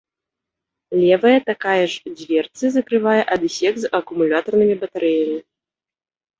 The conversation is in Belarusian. Левая такая ж дзверцы закрывае адсек з акумулятарнымі батарэямі.